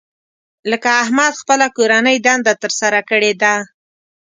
لکه احمد خپله کورنۍ دنده تر سره کړې ده.